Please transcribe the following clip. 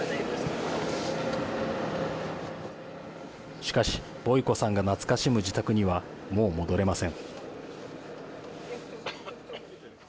しかし、ボイコさんが懐かしむ自宅にはもう戻れません。